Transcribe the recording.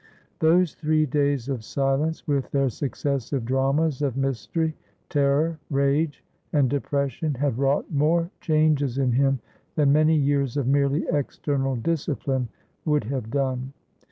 Those three days of silence, with their successive dramas of mystery, terror, rage, and depression, had wrought more changes in him than many years of merely external discipline would have done.